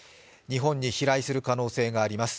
日本に飛来する可能性があります。